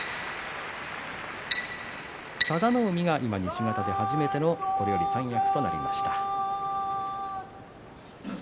佐田の海が西方で初めてのこれより三役となりました。